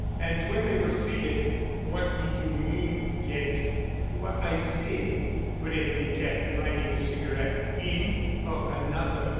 And when they were seated, "What did you mean, Piquette?" "What I said," put in Piquette, lighting a cigarette. "Him—or another."